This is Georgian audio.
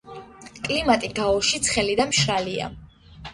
კლიმატი გაოში ცხელი და მშრალია.